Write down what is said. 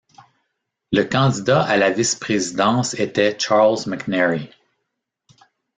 Le candidat à la vice-présidence était Charles McNary.